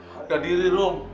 harga diri rom